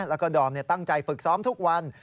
แล้วก็ดอมตั้งใจฝึกซ้อมทุกวัน